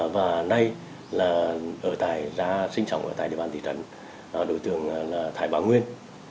và nay sinh sống ở địa bàn thị trấn đối tượng là thái bang nguyên